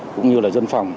cũng như là dân phòng